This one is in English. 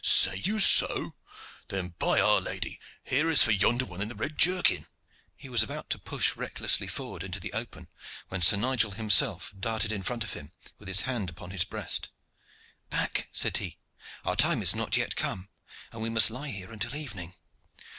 "Say you so? Then, by our Lady! here is for yonder one in the red jerkin!" He was about to push recklessly forward into the open, when Sir Nigel himself darted in front of him, with his hand upon his breast. "Back!" said he. "Our time is not yet come, and we must lie here until evening.